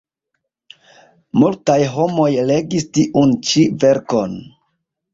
Multaj homoj legis tiun ĉi verkon.